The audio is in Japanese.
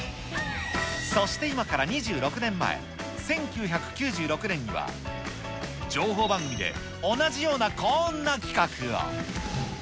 そして今から２６年前、１９９６年には、情報番組で同じようなこんな企画を。